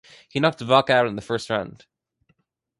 He knocked Vaca out in the first round.